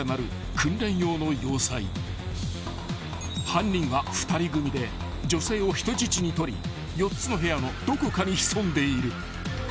［犯人は２人組で女性を人質にとり４つの部屋のどこかに潜んでいる］